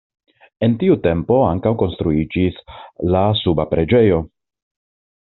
En tiu tempo ankaŭ konstruiĝis la suba preĝejo.